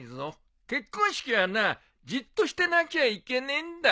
結婚式はなじっとしてなきゃいけねえんだ。